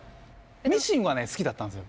ミシンはね好きだったんですよ。